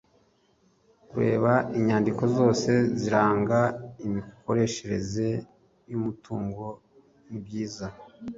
kureba inyandiko zose ziranga imikoreshereze yumutungo nibyiza